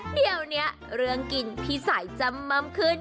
เดี๋ยวนี้เรื่องกินพี่สายจำม่ำขึ้น